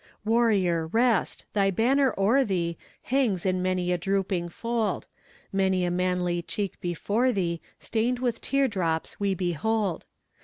Warrior, rest! thy banner o'er thee Hangs in many a drooping fold; Many a manly cheek before thee Stain'd with tear drops we behold.